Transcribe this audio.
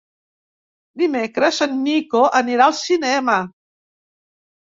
Dimecres en Nico anirà al cinema.